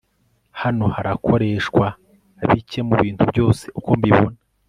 Hano harakoreshwa bike mubintu byose uko mbibona